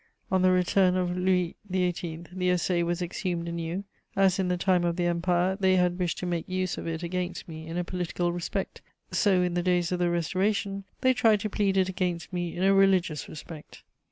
On the return of Louis XVIII., the Essai was exhumed anew: as, in the time of the Empire, they had wished to make use of it against me in a political respect, so, in the days of the Restoration, they tried to plead it against me in a religious respect.